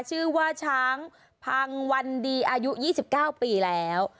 ชื่อว่าช้างพังวันดีอายุ๒๙ปีแล้ว